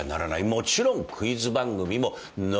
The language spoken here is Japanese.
もちろんクイズ番組もＮＯだ。